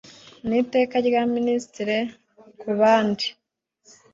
N iteka rya minisitiri w intebe ku bandi